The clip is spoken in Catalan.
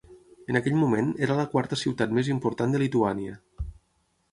En aquell moment, era la quarta ciutat més important de Lituània.